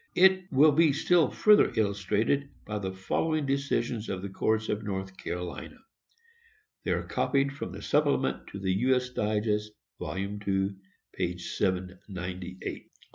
It will be still further illustrated by the following decisions of the courts of North Carolina. They are copied from the Supplement to the U. S. Digest, vol. II. p. 798: [Sidenote: The State _v.